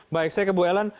baik saya ke bu ellen